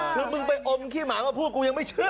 คือมึงไปอมขี้หมามาพูดกูยังไม่เชื่อ